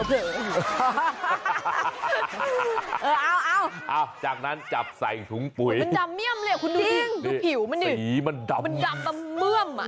เออเอาจากนั้นจับใส่ถุงปุ๋ยดิ้งดูผิวมันดิ้งมันดำเบื้อมมันดำเบื้อม